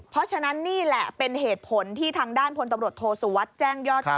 เพราะฉะนั้นนี่แหละเป็นเหตุผลที่ทางด้านพลตำรวจโทษสุวัสดิ์แจ้งยอดสุข